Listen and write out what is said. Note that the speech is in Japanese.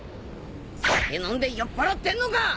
酒飲んで酔っぱらってんのか！